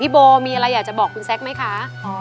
โบมีอะไรอยากจะบอกคุณแซคไหมคะ